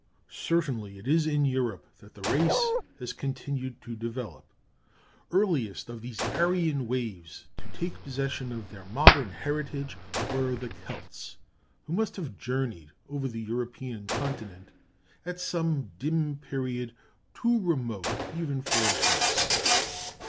Certainly it is in Europe that the race has continued to develop. Earliest of these Aryan waves to take possession of their modern heritage, were the Celts, who must have journeyed over the European continent at some dim period too remote even for a guess.